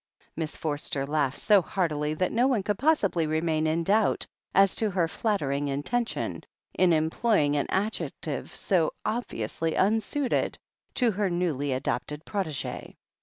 Miss Forster laughed so heartily that no one could possibly remain in doubt as to her flattering intention in employing an adjective so obviously unsuited to her newly adopted protegee.